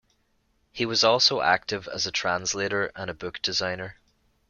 He was also active as a translator and a book designer.